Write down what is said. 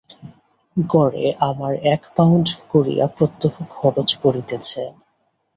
গড়ে আমার এক পাউণ্ড করিয়া প্রত্যহ খরচ পড়িতেছে।